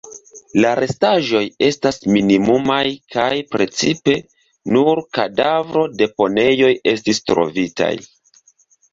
La restaĵoj estas minimumaj kaj precipe nur kadavro-deponejoj estis trovitaj.